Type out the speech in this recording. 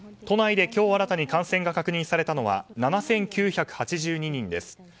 都内で今日新たに感染が確認されたのは７９８２人です。